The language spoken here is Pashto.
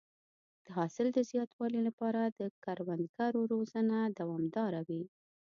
د حاصل د زیاتوالي لپاره د کروندګرو روزنه دوامداره وي.